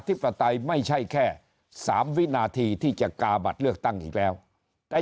ปไตยไม่ใช่แค่๓วินาทีที่จะกาบัตรเลือกตั้งอีกแล้วแต่